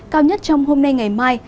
cao nhất trong hôm nay ngày mai